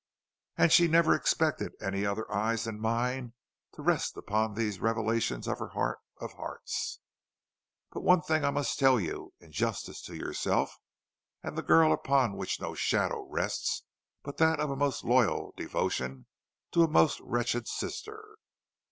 "and she never expected any other eyes than mine to rest upon these revelations of her heart of hearts. But one thing I must tell you in justice to yourself and the girl upon whom no shadow rests but that of a most loyal devotion to a most wretched sister.